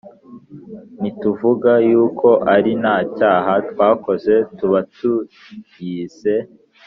Nituvuga yuko ari nta cyaha twakoze tuba tuyise